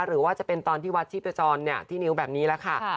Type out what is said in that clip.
หรือว่าจะเป็นตอนที่วัดชีพจรที่นิ้วแบบนี้แหละค่ะ